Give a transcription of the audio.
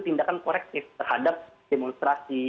tindakan korektif terhadap demonstrasi